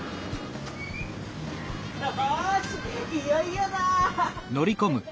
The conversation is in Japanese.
よしいよいよだ！